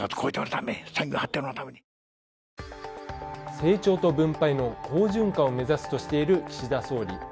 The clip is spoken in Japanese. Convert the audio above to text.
成長と分配の好循環を目指すとしている岸田総理。